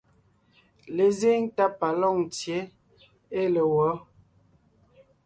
Lezíŋ tá pa Lôŋtsyě ée le wɔ̌?